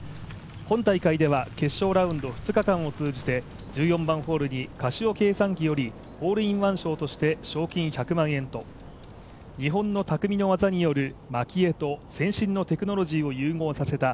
本大会では決勝ラウンド２日間を通じて１４番ホールにカシオ計算機よりホールインワン賞として賞金１００万円と日本のたくみの技によるまき絵と先進のテクノロジーを融合させた